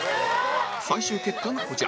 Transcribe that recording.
最終結果がこちら。